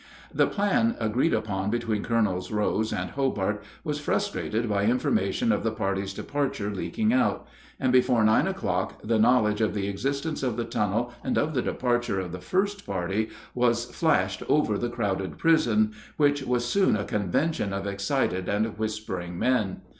The plan agreed upon between Colonels Rose and Hobart was frustrated by information of the party's departure leaking out; and before nine o'clock the knowledge of the existence of the tunnel and of the departure of the first party was flashed over the crowded prison, which was soon a convention of excited and whispering men.